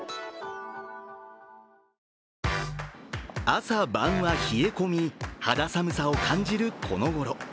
朝晩は冷え込み、肌寒さを感じるこのごろ。